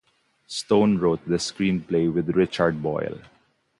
Stone wrote the screenplay with Richard Boyle.